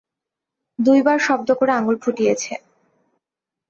দুই বার শব্দ করে আঙুল ফুটিয়েছে।